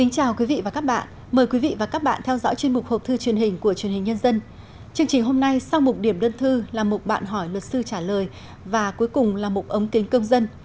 chương trình hôm nay sau một điểm đơn thư là một bạn hỏi luật sư trả lời và cuối cùng là một ống kính công dân